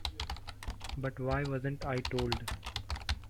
But why wasn't I told?